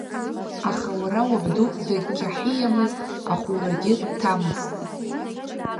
Аха уара уабду дагьқьаҳиамызт, ахәурагьы дҭамызт.